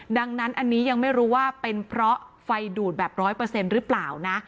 ดังนั้นอันนี้ยังไม่รู้ว่าเป็นเพราะไฟดูดแบบร้อยเปอร์เซ็นต์หรือเปล่านะ